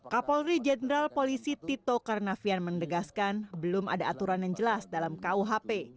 kapolri jenderal polisi tito karnavian mendegaskan belum ada aturan yang jelas dalam kuhp